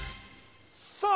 さあ